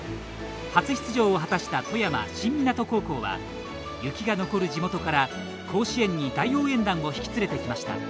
初出場を果たした富山・新湊高校は雪が残る地元から甲子園に大応援団を引き連れてきました。